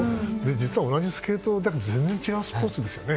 実は同じスケートだけど全然違うスポーツですよね。